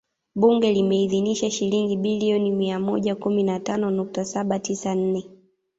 Bunge limeidhinisha Shilingi bilioni mia moja kumi na tano nukta saba tisa nne